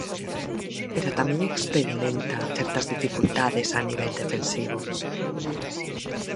Pero tamén experimenta certas dificultades a nivel defensivo.